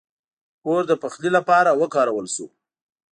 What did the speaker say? • اور د پخلي لپاره وکارول شو.